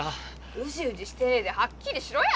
うじうじしてねえではっきりしろや！